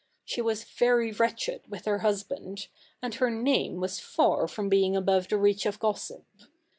She was very wretched with her husband, and her name was far from being above the reach of gossip.